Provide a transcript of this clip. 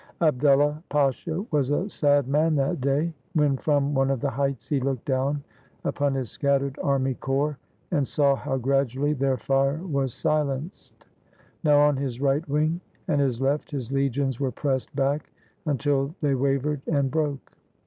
Abdullah Pasha was a sad man that day, when from one of the heights he looked down upon his scattered army corps and saw how gradually their fire was si lenced. Now on his right wing and his left his legions were pressed back until they wavered and broke.